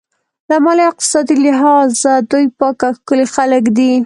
له مالي او اقتصادي لحاظه دوی پاک او ښکلي خلک دي.